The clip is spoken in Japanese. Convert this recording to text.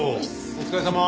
お疲れさま。